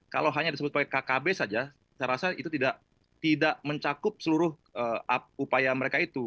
kalau hanya disebut sebagai kkb saja saya rasa itu tidak mencakup seluruh upaya mereka itu